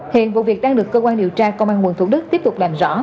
hiện vụ việc đang được cơ quan điều tra công an quận thủ đức tiếp tục làm rõ